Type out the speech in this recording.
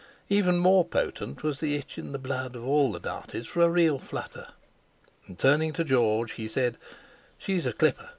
Even more potent was the itch in the blood of all the Darties for a real flutter. And turning to George he said: "She's a clipper.